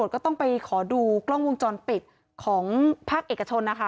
ก็ต้องไปขอดูกล้องวงจรปิดของภาคเอกชนนะคะ